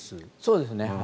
そうですね。